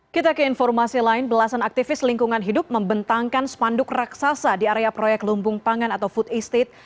kita ke informasi lain belasan aktivis lingkungan hidup membentangkan spanduk raksasa di area proyek lumbung pangan atau food estate